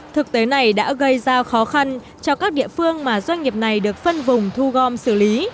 thực tế này đã gây ra khó khăn cho các địa phương mà doanh nghiệp này được phân vùng thu gom xử lý